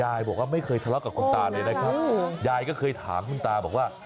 ยายบอกว่าไม่เคยทะเลาะกับคุณตาเลยนะครับยายก็เคยถามคุณตาบอกว่า